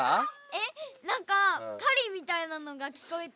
えっなんかパリみたいなのが聞こえて。